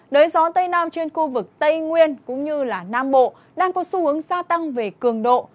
đới gió tây nam trên khu vực tây nguyên cũng như nam bộ đang có xu hướng gia tăng về cường độ